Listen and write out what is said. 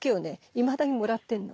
いまだにもらってんの。